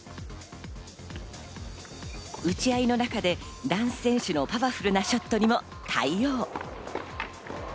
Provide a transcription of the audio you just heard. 打ち合いの中で男子選手のパワフルなショットにも対応。